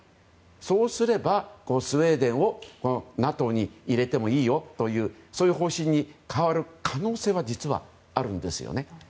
そうすれば、スウェーデンをＮＡＴＯに入れてもいいよというそういう方針に変わる可能性は実はあるんです。